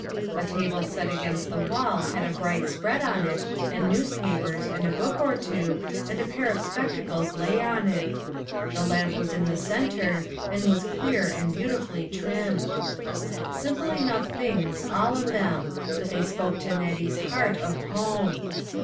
A table set against the wall had a bright spread on it, and newspapers, and a book or two, and a pair of spectacles lay on it. The lamp was in the centre, and was clear and beautifully trimmed. Simple enough things, all of them, but they spoke to Nettie's heart of home.